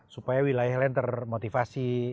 supaya wilayah lain termotivasi